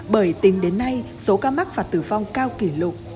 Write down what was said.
bởi tính đến nay số ca mắc và tử vong cao kỷ lục